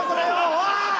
おい！